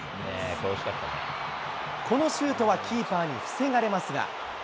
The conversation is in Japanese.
このシュートはキーパーに防がれますが。